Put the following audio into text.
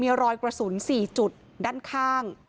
มีรอยกระสุน๔จุดด้านข้าง